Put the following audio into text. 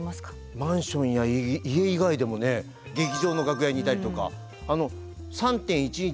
マンションや家以外でもね劇場の楽屋にいたりとか３．１１